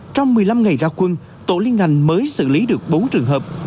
trong một mươi năm ngày ra quân tổ liên ngành mới xử lý được bốn trường hợp